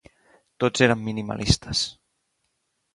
Tots érem minimalistes.